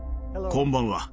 こんばんは。